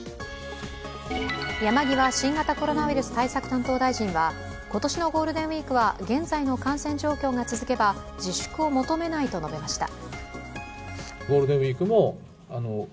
山際新型コロナウイルス対策担当大臣は今年のゴールデンウイークは現在の感染状況が続けば自粛を求めないと述べました。